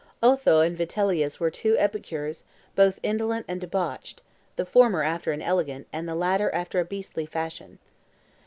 Otho and Vitellius were two epicures, both indolent and debauched, the former after an elegant, and the latter after a beastly fashion.